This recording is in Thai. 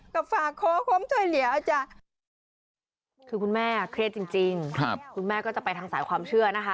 คุณแม่ก็จะไปทางสายความเชื่อนะคะ